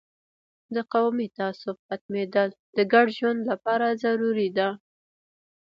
د قومي تعصب ختمیدل د ګډ ژوند لپاره ضروري ده.